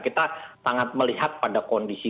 kita sangat melihat pada kondisi